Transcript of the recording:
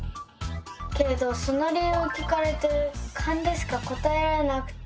けれどその理由を聞かれてカンでしか答えられなくて。